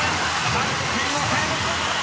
入っていません］